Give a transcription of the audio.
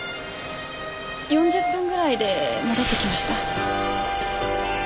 ４０分ぐらいで戻ってきました。